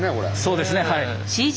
そうですねはい。